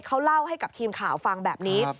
เขาเล่าให้กับทีมข่าวฟังแบบนี้